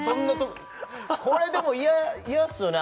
これでも嫌っすよね